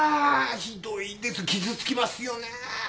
ひどい傷つきますよね。